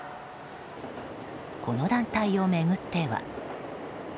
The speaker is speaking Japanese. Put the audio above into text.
この団体を巡っては。